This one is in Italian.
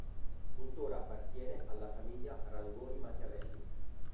Tuttora appartiene alla famiglia Rangoni Machiavelli.